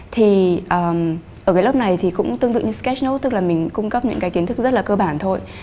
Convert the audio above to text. thì ở cái lớp này thì cũng tương tự như sketrok tức là mình cung cấp những cái kiến thức rất là cơ bản thôi